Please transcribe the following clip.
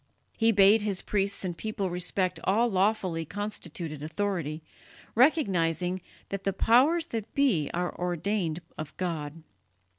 He bade his priests and people respect all lawfully constituted authority, recognizing that "the powers that be are ordained of God."